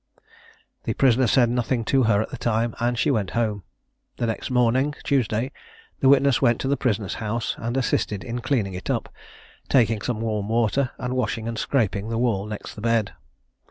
The prisoner said nothing to her at the time, and she went home. The next morning (Tuesday) the witness went to the prisoner's house, and assisted in cleaning it up, taking some warm water, and washing and scraping the wall next the bed.